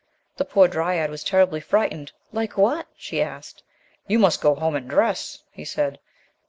The poor dryad was terribly frightened. "Like what?" she asked. "You must go home and dress," he said.